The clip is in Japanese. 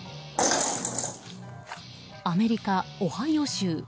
アメリカ・オハイオ州。